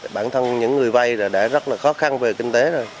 bản thân những người vay đã rất là khó khăn về kinh tế rồi